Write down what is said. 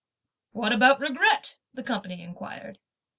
"What about regret?" the company inquired.